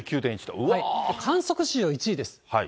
観測史上１位です。